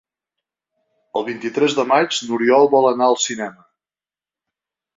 El vint-i-tres de maig n'Oriol vol anar al cinema.